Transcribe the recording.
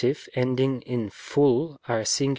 endings in full are sing.